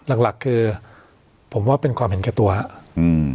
อ่าหลักคือผมว่าเป็นความเห็นเขียบตัวอืม